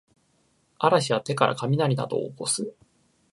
嵐や手からかみなりなどをおこす